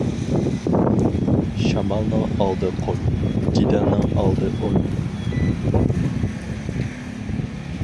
شامالنىڭ ئالدى قويۇن، جېدەلنىڭ ئالدى ئويۇن.